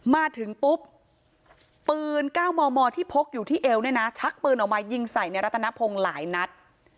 มาถึงปุ๊บปืน๙มมที่พกอยู่ที่เอวเนี่ยนะชักปืนออกมายิงใส่ในรัตนพงศ์หลายนัด